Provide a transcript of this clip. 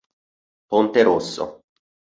Ponte Rosso